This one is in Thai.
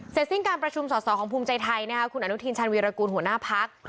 เสร็จสิ้นการประชุมสอดสอของภูมิใจไทยเนี่ยครูอนุทีนชันวีรกูลหัวหน้าพัก